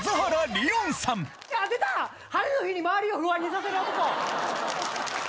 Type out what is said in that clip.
「晴れの日に周りを不安にさせる男」。